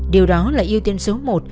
điều đó là ưu tiên số một